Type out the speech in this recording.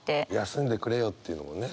休んでくれよっていうのもね。